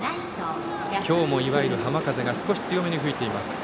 今日もいわゆる浜風が少し強めに吹いています。